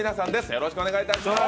よろしくお願いします。